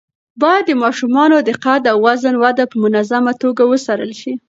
باید د ماشومانو د قد او وزن وده په منظمه توګه وڅارل شي.